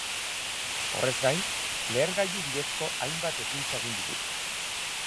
Horrez gain, lehergailu bidezko hainbat ekintza egin ditu.